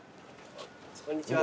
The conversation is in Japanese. こんにちは。